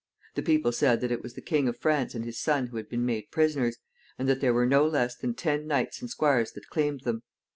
The people said that it was the King of France and his son who had been made prisoners, and that there were no less than ten knights and squires that claimed them.